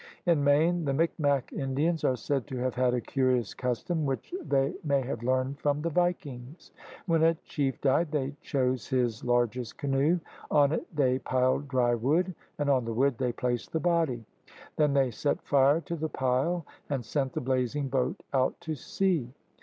In Maine the Micmac Indians are said to have had a curious custom which they THE APPROACHES TO AMERICA 27 may have learned from the vikings. When a chief died, they chose his largest canoe. On it they piled dry wood, and on the wood they placed the body. Then they set fire to the pile and sent the blazing boat out to sea.